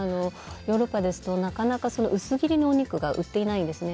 ヨーロッパですとなかなか薄切りのお肉が売っていないんですね。